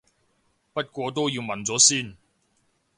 不過都要問咗先